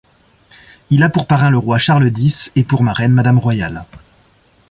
Il a pour parrain le roi Charles X et pour marraine Madame Royale.